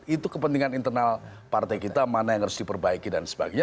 itu kepentingan internal partai kita mana yang harus diperbaiki dan sebagainya